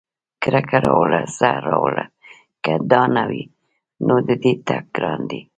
کرکه راوړه زهر راوړه که دا نه وي، نو د دې تګ ګران دی